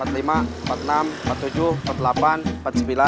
archive indonesia lulus ini tuh kayaknya sama ada